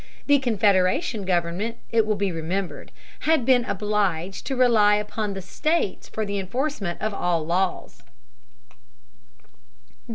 The Confederation government, it will be remembered, had been obliged to rely upon the states for the enforcement of all laws.